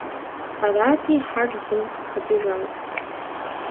Арати, хьэр лым хэкӀыжащ.